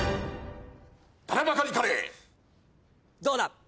どうだ？